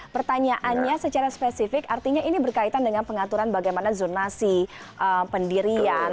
pertanyaannya secara spesifik artinya ini berkaitan dengan pengaturan bagaimana zonasi pendirian